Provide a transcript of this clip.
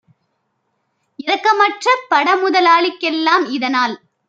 இரக்கமற்ற படமுதலா ளிக்கெல்லாம் இதனால்